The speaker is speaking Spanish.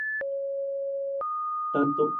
Tanto ら como ラ provienen del kanji 良.